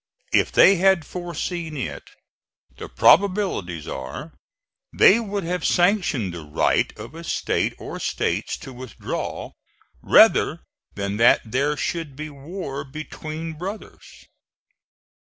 If they had foreseen it, the probabilities are they would have sanctioned the right of a State or States to withdraw rather than that there should be war between brothers.